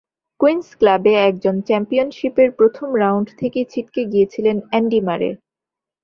Queen's ক্লাবে এজন চ্যাম্পিয়নশিপের প্রথম রাউন্ড থেকেই ছিটকে গিয়েছিলেন অ্যান্ডি মারে।